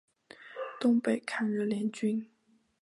东北抗日联军。